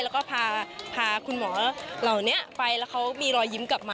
แล้วก็พาคุณหมอเหล่านี้ไปแล้วเขามีรอยยิ้มกลับมา